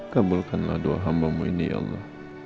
kabarkanlah doa hamba mu ini ya allah